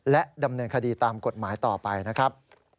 และดำเนินคดีตามกฎหมายต่อไปนะครับ